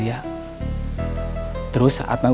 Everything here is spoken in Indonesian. mak freakin dia